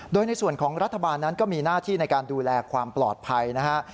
โดยในส่วนของรัฐบาลนั้นก็มีหน้าที่ในการดูแลความปลอดภัยนะฮะ